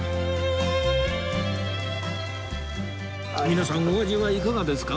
皆さんお味はいかがですか？